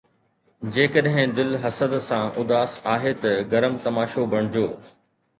جيڪڏهن دل حسد سان اُداس آهي ته گرم تماشو بڻجو